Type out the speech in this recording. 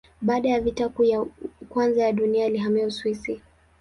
Baada ya Vita Kuu ya Kwanza ya Dunia alihamia Uswisi.